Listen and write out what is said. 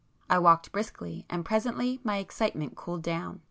I walked briskly, and presently my excitement cooled down.